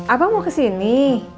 apa mau kesini